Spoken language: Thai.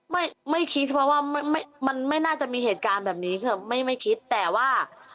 ไม่ไม่คิดเพราะว่าไม่มันไม่น่าจะมีเหตุการณ์แบบนี้ค่ะไม่ไม่คิดแต่ว่า